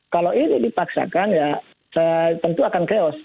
kalau ini dipaksakan ya tentu akan chaos